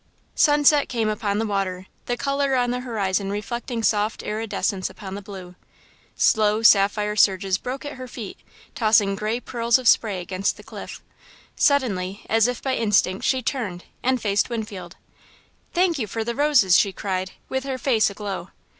Sunset came upon the water, the colour on the horizon reflecting soft iridescence upon the blue. Slow sapphire surges broke at her feet, tossing great pearls of spray against the cliff. Suddenly, as if by instinct, she turned and faced Winfield. "Thank you for the roses," she cried, with her face aglow.